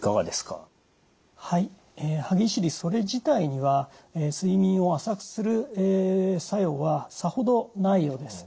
歯ぎしりそれ自体には睡眠を浅くする作用はさほどないようです。